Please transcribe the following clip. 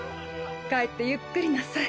帰ってゆっくりなさい。